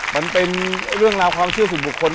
มันเป็นเรื่องราวความเชื่อส่วนบุคคล